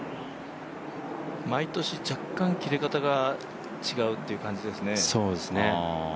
毎年、若干切れ方が違うという感じですね。